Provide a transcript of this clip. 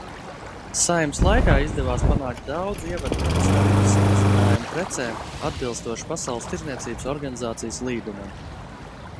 Saeimas laikā izdevās panākt daudzu ievedmuitas tarifu samazinājumu precēm atbilstoši Pasaules tirdzniecības organizācijas līgumam.